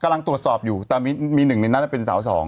กำลังตรวจสอบอยู่แต่มีหนึ่งในนั้นเป็นสาวสอง